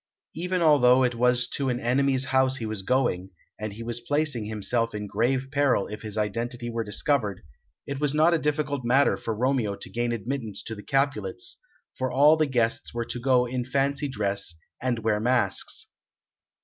Even although it was to an enemy's house he was going, and he was placing himself in grave peril if his identity were discovered, it was not a difficult matter for Romeo to gain admittance to the Capulets, for all the guests were to go in fancy dress, and wear masks.